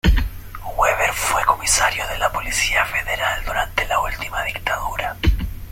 Weber fue comisario de la Policía Federal durante la última dictadura.